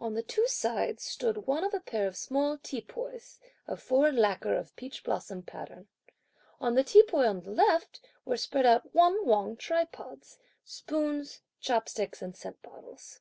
On the two sides, stood one of a pair of small teapoys of foreign lacquer of peach blossom pattern. On the teapoy on the left, were spread out Wen Wang tripods, spoons, chopsticks and scent bottles.